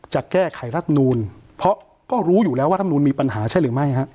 จะแก้ไขรัฐนูลเพราะก็รู้อยู่แล้วว่ารำนูลมีปัญหาใช่หรือไม่ฮะ